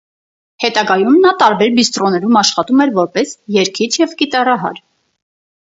Հետագայում նա տարբեր բիստրոսներում աշխատում էր որպես երգիչ և կիթառահար։